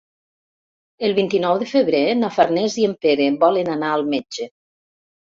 El vint-i-nou de febrer na Farners i en Pere volen anar al metge.